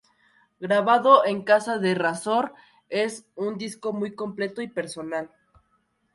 Grabado en casa de Razor, es un disco muy completo y personal.